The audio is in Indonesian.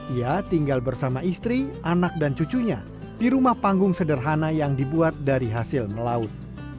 ia tinggal bersama istri anak dan cucunya di rumah panggung sederhana yang dibuat dari hasil melaut